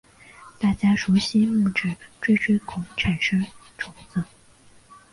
大家熟悉木质锥锥孔产生种子。